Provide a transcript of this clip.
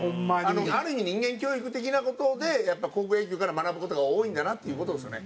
ある意味人間教育的な事でやっぱ高校野球から学ぶ事が多いんだなっていう事ですよね。